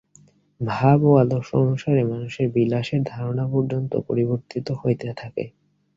ভাব ও আদর্শ অনুসারে মানুষের বিলাসের ধারণা পর্যন্ত পরিবর্তিত হইতে থাকে।